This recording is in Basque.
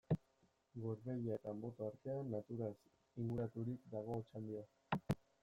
Gorbeia eta Anboto artean, naturaz inguraturik dago Otxandio.